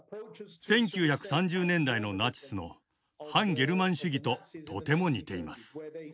１９３０年代のナチスの「汎ゲルマン主義」ととても似ています。